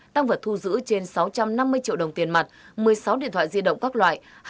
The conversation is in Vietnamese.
tăng vật thu giữ trên sáu trăm năm mươi triệu đồng tiền mặt một mươi sáu điện thoại di động các loại